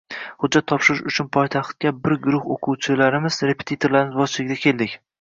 Hujjat topshirish uchun poytaxtga bir guruh o`quvchilar repetitorimiz boshchiligida keldik